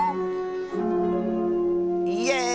イエーイ！